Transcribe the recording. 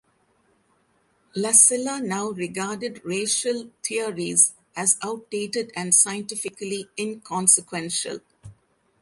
Lassila now regarded racial theories as outdated and scientifically inconsequential.